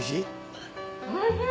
おいしい？